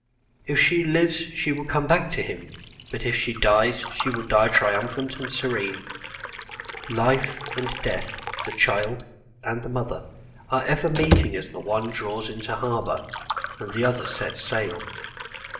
If she lives she will come back to him, but if she dies she will die triumphant and serene. Life and death, the child and the mother, are ever meeting as the one draws into harbour and the other sets sail.